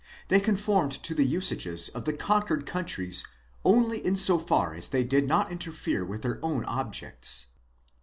35. They conformed to the usages of the conquered countries only in so far as they did not interfere with their own objects.